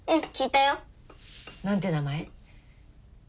何て名前？